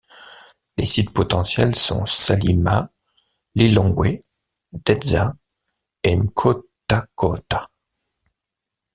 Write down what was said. Les sites potentiels sont Salima, Lilongwe, Dedza et Nkhotakota.